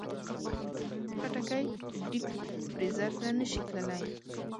خټکی ډیپ فریزر ته نه شي تللی.